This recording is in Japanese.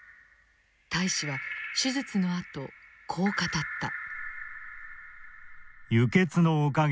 大使は手術のあとこう語った。